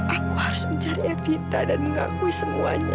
aku harus mencari evita dan mengakui semuanya